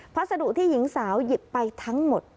พัสดุที่หญิงสาวหยิบไปทั้งหมด